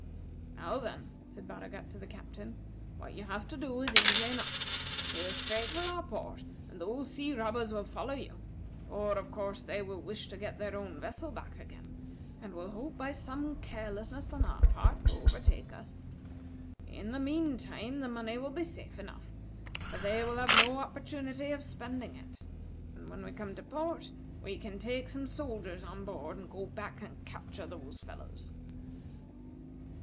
"Now, then," said Baragat to the Captain, "what you have to do is easy enough. Sail straight for our port and those sea robbers will follow you; for, of course, they will wish to get their own vessel back again, and will hope, by some carelessness on our part, to overtake us. In the mean time the money will be safe enough, for they will have no opportunity of spending it; and when we come to port, we can take some soldiers on board, and go back and capture those fellows.